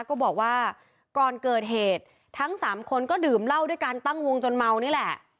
ก็บอกว่าก่อนเกิดเหตุทั้งสามคนก็ดื่มเหล้าด้วยการตั้งวงจนเมานี่แหละ